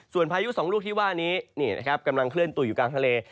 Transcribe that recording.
ส่วนพายุสองลูกที่ว่านี้นะครับกำลังเคลื่อนตัวอยู่กลางทะเล